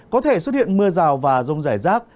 có thể xuất hiện mưa rào và rông rải rác